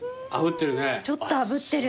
ちょっとあぶってる。